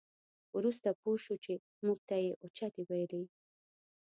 وروسته پوه شوو چې موږ ته یې اوچتې ویلې.